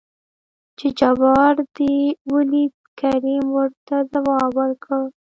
چې جبار دې ولېد؟ کريم ورته ځواب ورکړ.